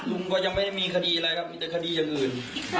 ลุงก็ยังไม่ได้มีคดีอะไรครับมีแต่คดีอย่างอื่น